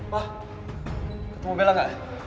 papa mau bella gak